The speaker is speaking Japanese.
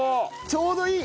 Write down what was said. ちょうどいい！